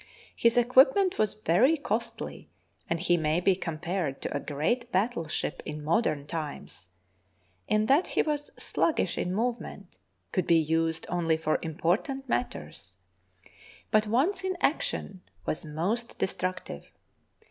His equipment was very costly, and he may be com pared to a great battleship in modern times in that he was sluggish in movement, could be used only for important matters, but once in action was most destructive.